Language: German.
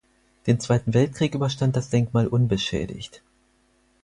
Den Zweiten Weltkrieg überstand das Denkmal unbeschädigt.